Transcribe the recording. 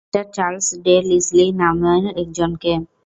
Mr Charles de Lisle নামের একজনকে।